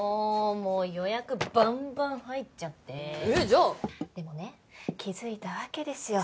もう予約バンバン入っちゃってえじゃあでもね気づいたわけですよ